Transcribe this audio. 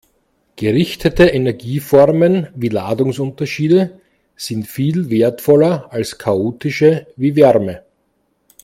Gerichtete Energieformen wie Ladungsunterschiede sind viel wertvoller als chaotische wie Wärme.